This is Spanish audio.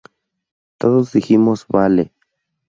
Todos dijimos 'vale'.